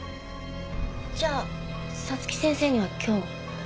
じゃあ早月先生には今日。